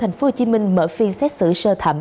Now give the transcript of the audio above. hồ chí minh mở phiên xét xử sơ thẩm